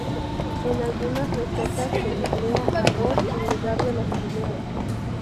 En algunas recetas se emplea arroz en lugar de los fideos.